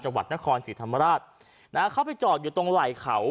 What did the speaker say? จังหวัดนครศรีธรรมราชนะฮะเขาไปจอดอยู่ตรงไหล่เขา